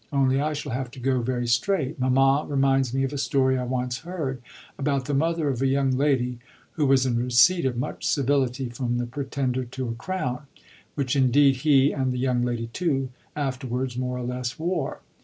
Only I shall have to go very straight. Mamma reminds me of a story I once heard about the mother of a young lady who was in receipt of much civility from the pretender to a crown, which indeed he, and the young lady too, afterwards more or less wore.